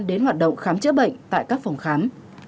đến hoạt động khám chữa bệnh tại các phòng khám